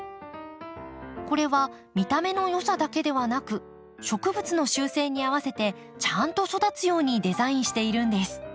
これは見た目のよさだけではなく植物の習性に合わせてちゃんと育つようにデザインしているんです。